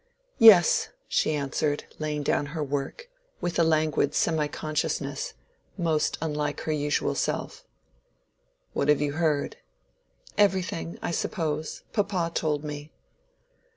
"Yes," she answered, laying down her work, which she had been carrying on with a languid semi consciousness, most unlike her usual self. "What have you heard?" "Everything, I suppose. Papa told me."